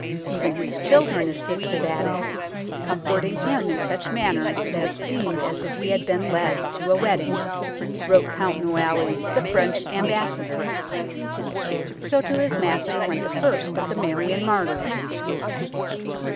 Even his children assisted at it, comforting him in such manner that it seemed as if he had been led to a wedding," wrote Count Noailles, the French Ambassador. So to his Master went the first of the Marian martyrs.